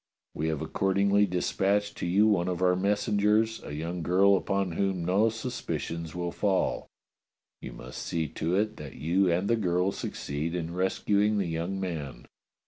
We have accordingly dispatched to you one of our messengers, a young girl upon whom no suspicions will fall. You must see to it that you and the girl succeed in rescuing the young man.